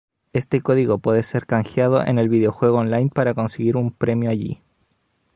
Este código puede ser canjeado en el videojuego online para conseguir un premio allí.